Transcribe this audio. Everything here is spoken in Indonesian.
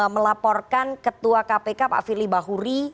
melaporkan ketua kpk pak firly bahuri